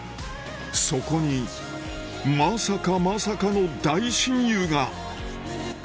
そこにまさかまさかの大親友が！